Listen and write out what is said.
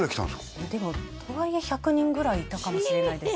それでもとはいえ１００人ぐらいいたかもしれないです